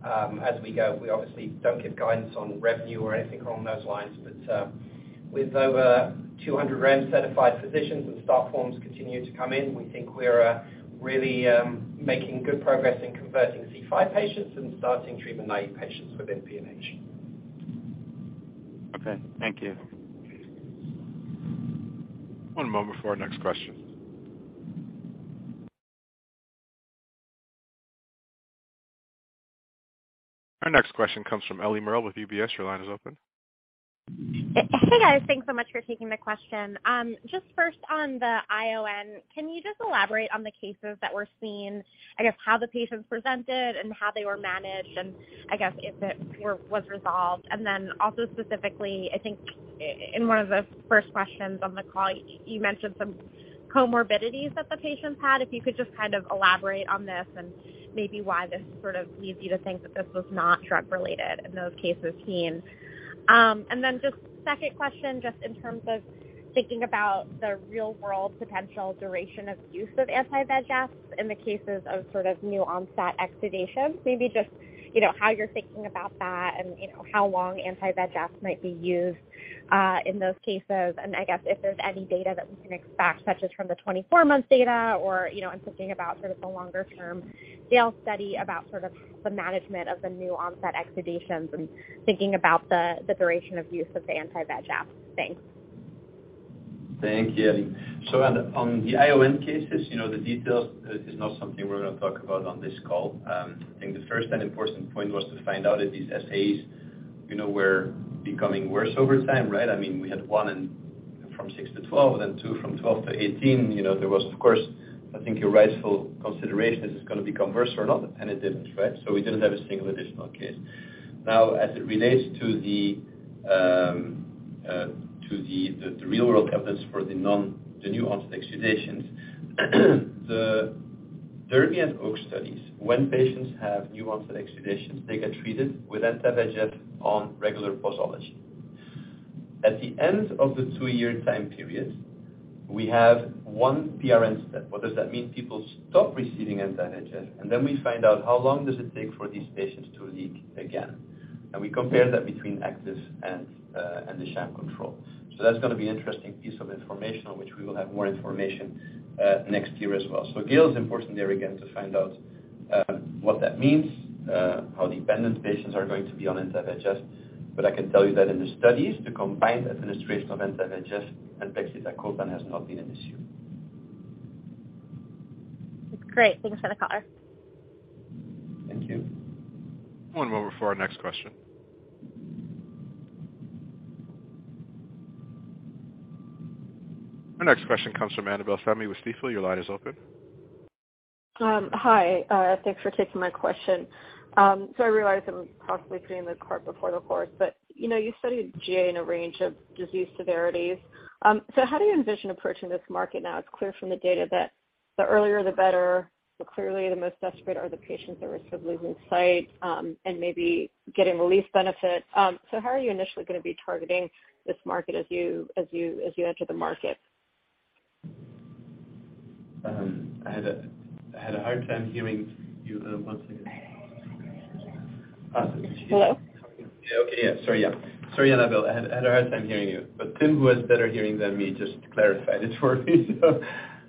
as we go. We obviously don't give guidance on revenue or anything along those lines. With over 200 REMS-certified physicians and start forms continuing to come in, we think we're really making good progress in converting C5 patients and starting treatment-naive patients within PNH. Okay. Thank you. One moment for our next question. Our next question comes from Ellie Merle with UBS. Your line is open. Hey, guys. Thanks so much for taking the question. Just first on the ION, can you just elaborate on the cases that were seen, I guess, how the patients presented and how they were managed, and I guess if it was resolved? Then also specifically, I think in one of the first questions on the call, you mentioned some comorbidities that the patients had. If you could just kind of elaborate on this and maybe why this sort of leads you to think that this was not drug-related in those cases seen. Then just second question, just in terms of thinking about the real world potential duration of use of anti-VEGFs in the cases of sort of new onset exudations. Maybe just, you know, how you're thinking about that and, you know, how long anti-VEGF might be used in those cases. I guess if there's any data that we can expect, such as from the 24-month data or, you know, I'm thinking about sort of the longer term GALE study about sort of the management of the new onset exudations and thinking about the duration of use of the anti-VEGF. Thanks. Thank you. On the ION cases, you know, the details is not something we're gonna talk about on this call. I think the first and important point was to find out if these SAs, you know, were becoming worse over time, right? I mean, we had one from six to 12, then two from 12 to 18. You know, there was of course, I think your rightful consideration, is this gonna become worse or not? It didn't, right? We didn't have a single additional case. Now, as it relates to the real world evidence for the new onset exudations, the DERBY and OAKS studies, when patients have new onset exudations, they get treated with anti-VEGF on regular posology. At the end of the two-year time period, we have one PRN step. What does that mean? People stop receiving anti-VEGF, and then we find out how long does it take for these patients to leak again. We compare that between active and the sham control. That's gonna be interesting piece of information on which we will have more information next year as well. GALE is important there again to find out what that means, how dependent patients are going to be on anti-VEGF. I can tell you that in the studies, the combined administration of anti-VEGF and pegcetacoplan has not been an issue. That's great. Thanks for the color. Thank you. One moment for our next question. Our next question comes from Annabel Samimy with Stifel. Your line is open. Hi. Thanks for taking my question. I realize I'm possibly putting the cart before the horse, but you know, you studied GA in a range of disease severities. How do you envision approaching this market now? It's clear from the data that the earlier the better, but clearly the most desperate are the patients that are at risk of losing sight, and maybe getting the least benefit. How are you initially gonna be targeting this market as you enter the market? I had a hard time hearing you there. One second. Hello? Sorry, Annabel. I had a hard time hearing you, but Tim, who has better hearing than me, just clarified it for me.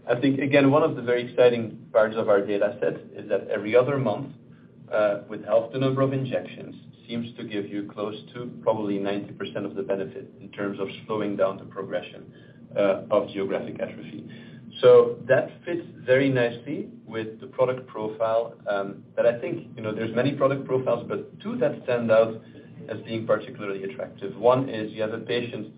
I think again, one of the very exciting parts of our data set is that every other month with half the number of injections seems to give you close to probably 90% of the benefit in terms of slowing down the progression of geographic atrophy. That fits very nicely with the product profile that I think, you know, there's many product profiles, but two that stand out as being particularly attractive. One is you have a patient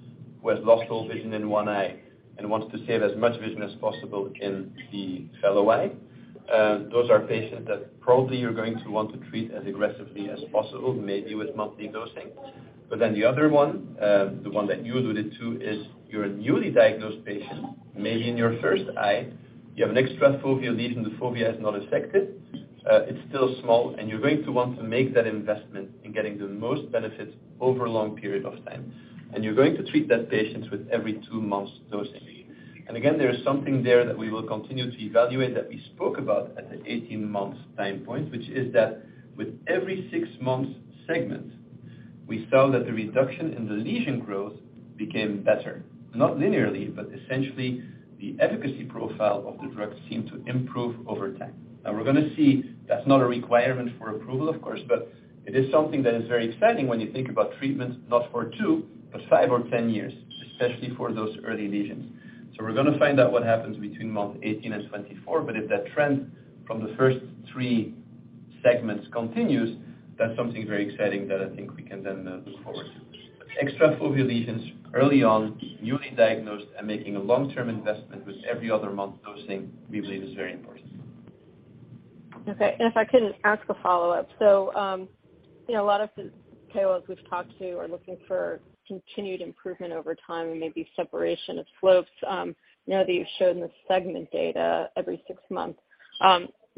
who has lost all vision in one eye and wants to save as much vision as possible in the fellow eye. Those are patients that probably you're going to want to treat as aggressively as possible, maybe with monthly dosing. The other one, the one that you alluded to, is you're a newly diagnosed patient, maybe in your first eye, you have an extrafoveal lesion. The fovea is not affected, it's still small, and you're going to want to make that investment in getting the most benefit over a long period of time. You're going to treat that patients with every two months dosing. Again, there is something there that we will continue to evaluate that we spoke about at the 18 months time point, which is that with every six months segment, we saw that the reduction in the lesion growth became better, not linearly, but essentially the efficacy profile of the drug seemed to improve over time. We're gonna see that's not a requirement for approval of course, but it is something that is very exciting when you think about treatment not for two, but five or 10 years, especially for those early lesions. We're gonna find out what happens between month 18 and 24, but if that trend from the first three segments continues, that's something very exciting that I think we can then look forward to. Extrafoveal lesions early on, newly diagnosed and making a long-term investment with every other month dosing, we believe is very important. Okay. If I could ask a follow-up. A lot of the KOLs that we've talked to are looking for continued improvement over time and maybe separation of slopes. I know that you've shown the segment data every six months.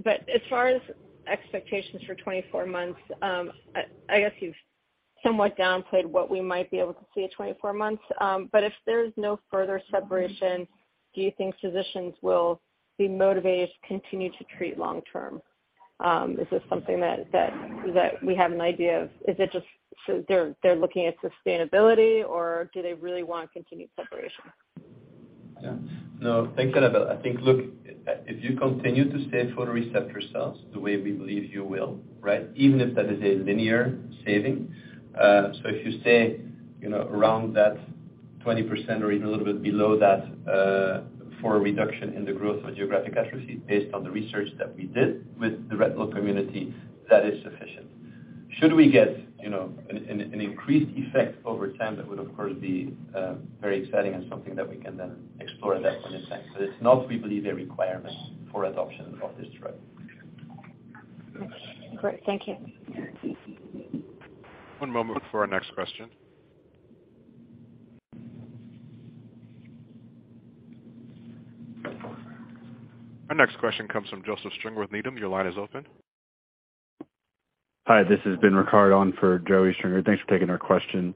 As far as expectations for 24 months, I guess you've somewhat downplayed what we might be able to see at 24 months. If there's no further separation, do you think physicians will be motivated to continue to treat long term? Is this something that we have an idea of? Is it just so they're looking at sustainability or do they really want continued separation? Yeah. No. Thanks, Annabel. I think, look, if you continue to save photoreceptor cells the way we believe you will, right? Even if that is a linear saving. If you stay, you know, around that 20% or even a little bit below that, for a reduction in the growth of geographic atrophy based on the research that we did with the retinal community, that is sufficient. Should we get, you know, an increased effect over time, that would of course be very exciting and something that we can then explore at that point in time. It's not, we believe, a requirement for adoption of this drug. Okay. Great. Thank you. One moment for our next question. Our next question comes from Joseph Stringer with Needham. Your line is open. Hi, this is Ben Ricard on for Joseph Stringer. Thanks for taking our question.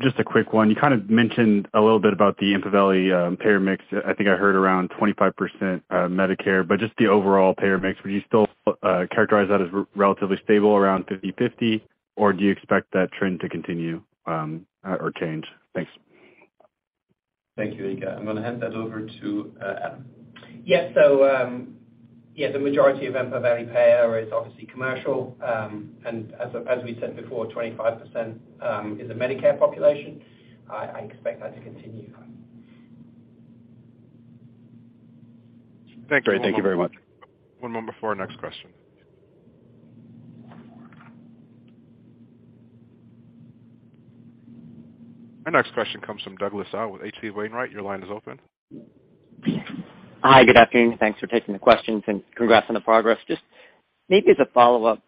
Just a quick one. You kind of mentioned a little bit about the EMPAVELI payer mix. I think I heard around 25% Medicare, but just the overall payer mix. Would you still characterize that as relatively stable around 50/50 or do you expect that trend to continue or change? Thanks. Thank you, Ben. I'm gonna hand that over to Adam. The majority of EMPAVELI payer is obviously commercial. As we said before, 25% is a Medicare population. I expect that to continue. Thank you. Thank you very much. One moment before our next question. Our next question comes from Douglas Tsao with HC Wainwright. Your line is open. Hi. Good afternoon. Thanks for taking the questions, and congrats on the progress. Just maybe as a follow-up,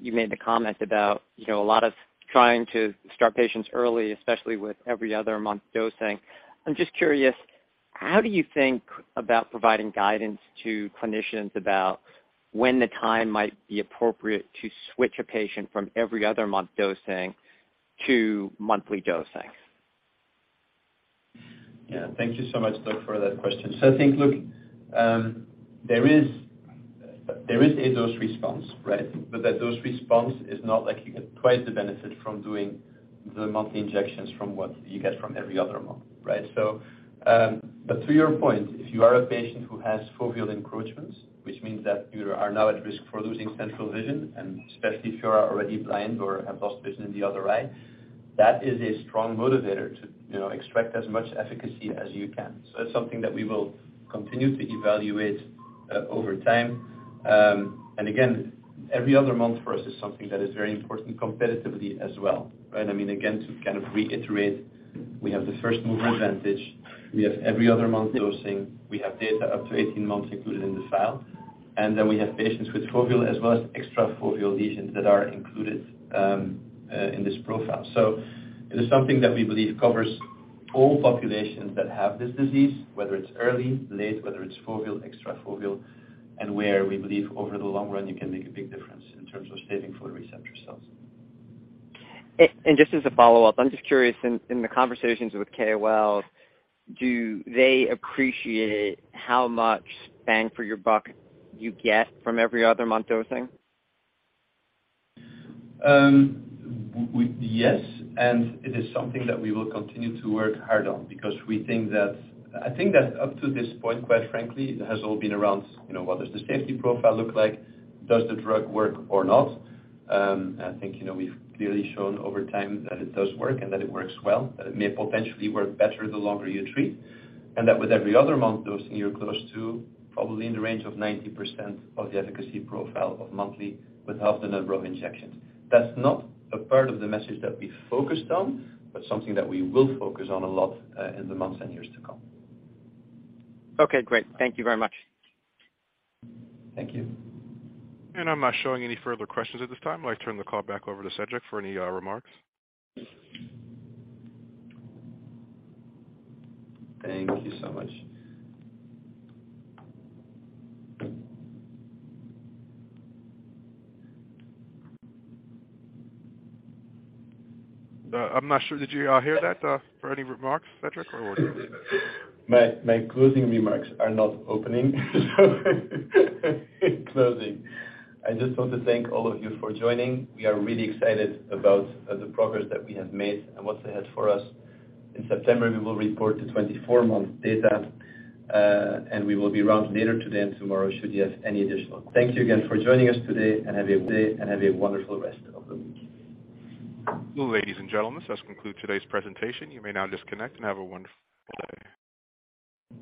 you made the comment about, you know, a lot of trying to start patients early, especially with every other month dosing. I'm just curious, how do you think about providing guidance to clinicians about when the time might be appropriate to switch a patient from every other month dosing to monthly dosing? Yeah. Thank you so much, Doug, for that question. I think, look, there is a dose response, right? That dose response is not like you get twice the benefit from doing the monthly injections from what you get from every other month, right? To your point, if you are a patient who has foveal encroachments, which means that you are now at risk for losing central vision, and especially if you are already blind or have lost vision in the other eye, that is a strong motivator to, you know, extract as much efficacy as you can. That's something that we will continue to evaluate over time. Again, every other month for us is something that is very important competitively as well, right? I mean, again, to kind of reiterate, we have the first mover advantage. We have every other month dosing. We have data up to 18 months included in the file. Then we have patients with foveal as well as extra foveal lesions that are included in this profile. It is something that we believe covers all populations that have this disease, whether it's early, late, whether it's foveal, extra foveal, and where we believe over the long run you can make a big difference in terms of saving photoreceptor cells. Just as a follow-up, I'm just curious. In the conversations with KOL, do they appreciate how much bang for your buck you get from every other month dosing? Yes, it is something that we will continue to work hard on because we think that I think that up to this point, quite frankly, it has all been around, you know, what does the safety profile look like? Does the drug work or not? I think, you know, we've clearly shown over time that it does work and that it works well, that it may potentially work better the longer you treat. That with every other month dosing, you're close to probably in the range of 90% of the efficacy profile of monthly with half the number of injections. That's not a part of the message that we focused on, but something that we will focus on a lot, in the months and years to come. Okay, great. Thank you very much. Thank you. I'm not showing any further questions at this time. I'd like to turn the call back over to Cedric for any remarks. Thank you so much. I'm not sure. Did you hear that for any remarks, Cedric, or? My closing remarks are not opening. Closing. I just want to thank all of you for joining. We are really excited about the progress that we have made and what's ahead for us. In September, we will report the 24-month data, and we will be around later today and tomorrow should you have any additional. Thank you again for joining us today and have a wonderful day and have a wonderful rest of the week. Ladies and gentlemen, this does conclude today's presentation. You may now disconnect and have a wonderful day.